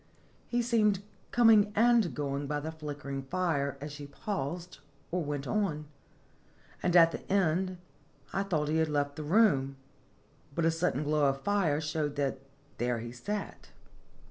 He seemed coming and going by the flickering fire as she paused or went on ; and, at the end, I thought he had left the room ; but a sudden glow of the fire showed that there he sat.